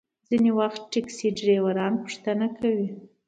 ځینې وخت ټکسي ډریوران پوښتنه کوي.